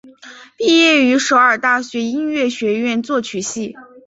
毕业于首尔大学音乐学院作曲系。